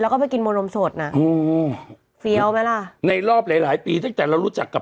แล้วก็ไปกินโมนมสดน่ะอืมเฟี้ยวไหมล่ะในรอบหลายหลายปีตั้งแต่เรารู้จักกับ